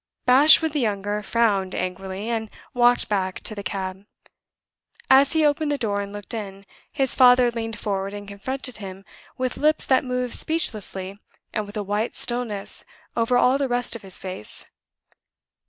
Bashwood the younger frowned angrily, and walked back to the cab. As he opened the door and looked in, his father leaned forward and confronted him, with lips that moved speechlessly, and with a white stillness over all the rest of his face.